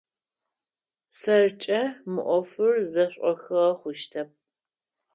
Сэркӏэ мы ӏофыр зэшӏохыгъэ хъущтэп.